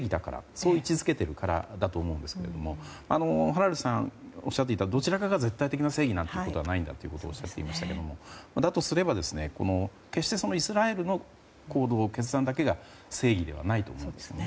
そう位置付けているからだと思うんですけどハラリさんがおっしゃっていたのはどちらかが絶対的な正義ではないんだとおっしゃっていましたがだとすれば決してイスラエルの行動や決断だけが正義ではないと思うんですね。